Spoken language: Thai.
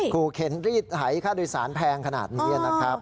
ขู่เข็นรีดไหค่าโดยสารแพงขนาดนี้นะครับ